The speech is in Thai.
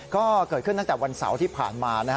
ก็เกิดขึ้นตั้งแต่วันเสาร์ที่ผ่านมานะฮะ